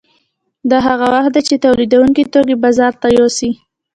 دا هغه وخت دی چې تولیدونکي توکي بازار ته یوسي